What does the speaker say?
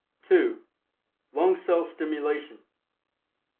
(2) LUNG CELL STIMULATION.